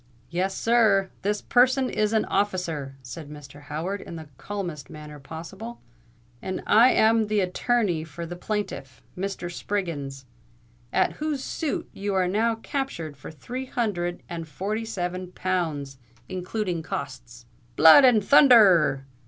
"Yes, sir—this person is an officer," said Mr. Howard, in the calmest manner possible; "and I am the attorney for the plaintiff—Mr. Spriggins—at whose suit you are now captured for three hundred and forty seven pounds, including costs." "Blood and thunther r!"